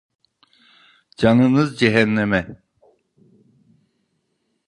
Canınız cehenneme!